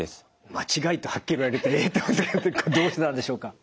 「間違い」とはっきり言われると「えっ！」ってこれどうしてなんでしょうか？